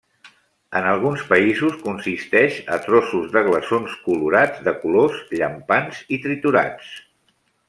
En alguns països consisteix a trossos de glaçons colorats de colors llampants i triturats.